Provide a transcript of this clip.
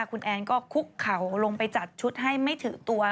คุณแอนก็คุกเข่าลงไปจัดชุดให้ไม่ถือตัว